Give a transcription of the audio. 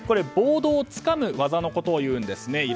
ボードをつかむ技のことをいうんですね。